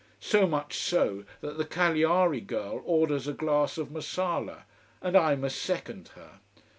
So much so that the Cagliari girl orders a glass of Marsala: and I must second her.